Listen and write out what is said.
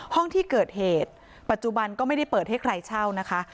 ห้องที่เกิดเหตุปัจจุบันก็ไม่ได้เปิดให้ใครเช่านะคะ